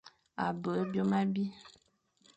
A be ye byôm abî,